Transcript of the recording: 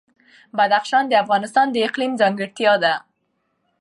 بدخشان د افغانستان د اقلیم ځانګړتیا ده.